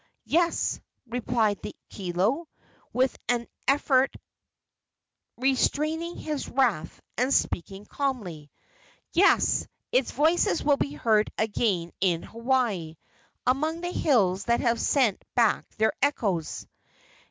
"Yes," replied the kilo, with an effort restraining his wrath and speaking calmly "yes; its voices will be heard again in Hawaii, among the hills that have sent back their echoes."